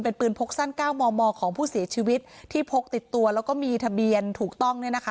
เป็นปืนพกสั้น๙มมของผู้เสียชีวิตที่พกติดตัวแล้วก็มีทะเบียนถูกต้องเนี่ยนะคะ